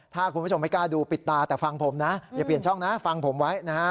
ถ้าคุณผู้ชมไม่กล้าดูปิดตาแต่ฟังผมนะอย่าเปลี่ยนช่องนะฟังผมไว้นะฮะ